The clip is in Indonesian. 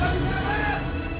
aduh mpinggir pet